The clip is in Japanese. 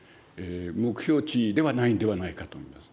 目標値ではないんではないかと思います。